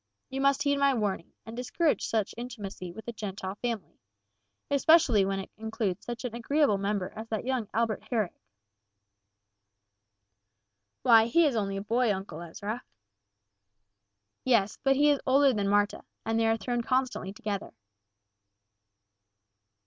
You must heed my warning, and discourage such intimacy with a Gentile family, especially when it includes such an agreeable member as that young Albert Herrick." "Why, he is only a boy, Uncle Ezra." "Yes, but he is older than Marta, and they are thrown constantly together."